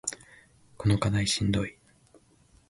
この課題しんどい